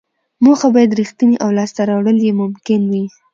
موخه باید ریښتینې او لاسته راوړل یې ممکن وي.